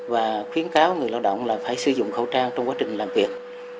và khuyến cáo người lao động là phải sử dụng khẩu trang trong quá trình làm việc